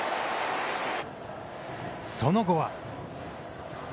その後は。